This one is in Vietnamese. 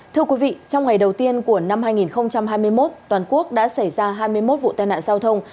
thưa quý vị trong ngày đầu tiên của năm hai nghìn hai mươi một toàn quốc đã xảy ra hai mươi một vụ tai nạn giao thông